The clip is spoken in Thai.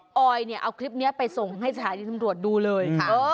ออยเนี่ยเอาคลิปนี้ไปส่งให้สถานีตำรวจดูเลย